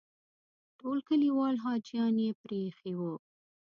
ټول کلیوال حاجیان یې پرې ایښي وو.